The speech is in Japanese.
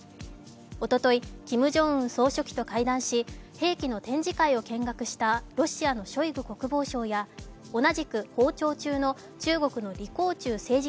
おととい、キム・ジョンウン総書記と会談し、兵器の展示会を見学したロシアのショイグ国防相や同じく訪朝中のロシアの李鴻忠政治